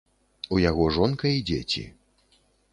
У яго жонка і дзеці.